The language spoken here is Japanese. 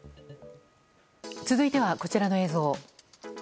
続いては、こちらの映像。